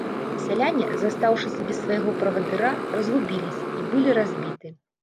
Сяляне, застаўшыся без свайго правадыра, разгубіліся і былі разбіты.